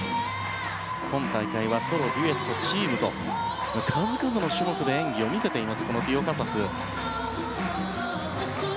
今大会はソロ、デュエット、チームと数々の種目で演技を見せているティオカサス。